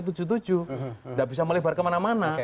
tidak bisa melebar kemana mana